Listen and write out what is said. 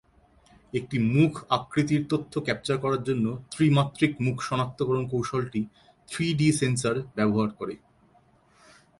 একটি মুখ আকৃতির তথ্য ক্যাপচার করার জন্য ত্রি-মাত্রিক মুখ শনাক্তকরণ কৌশলটি থ্রি-ডি সেন্সর ব্যবহার করে।